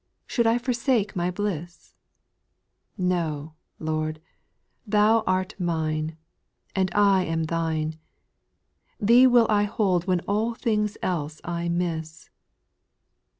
— Should I forsake my bliss ? No, Lord, Thou 'rt mine, And I am Thine, Thee will I hold when all things else I miss.